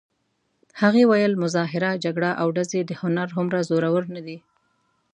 هغې ویل: مظاهره، جګړه او ډزې د هنر هومره زورور نه دي.